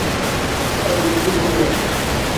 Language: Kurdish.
Ew goştê sor e.